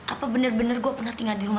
apa bener bener gua pernah tinggal di rumah